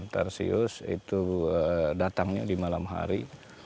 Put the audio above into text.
tarsius itu datangnya di malam hari